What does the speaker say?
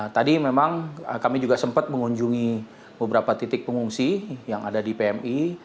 tadi memang kami juga sempat mengunjungi beberapa titik pengungsi yang ada di pmi